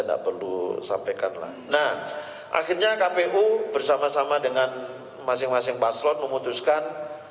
nah perlu sampaikan lah nah akhirnya kpu bersama sama dengan masing masing paslon memutuskan